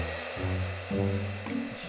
じ。